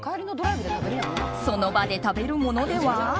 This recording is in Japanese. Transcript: その場で食べるものでは？